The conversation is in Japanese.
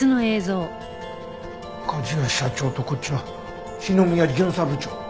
梶谷社長とこっちは篠宮巡査部長？